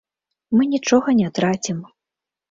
Мы нічога не трацім.